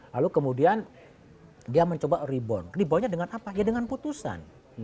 lalu kemudian dia mencoba rebound dibawanya dengan apa ya dengan putusan